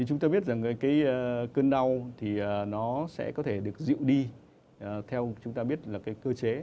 chúng ta biết rằng cái cơn đau thì nó sẽ có thể được dịu đi theo chúng ta biết là cái cơ chế